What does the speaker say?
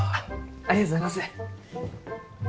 ありがとうございます。